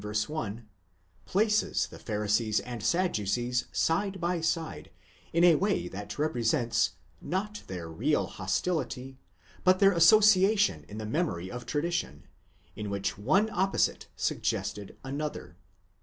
1) places the Pharisees and Sadducees side by side in a way that represents, not their real hostility, but their association in the memory of tradition, in which one opposite suggested another.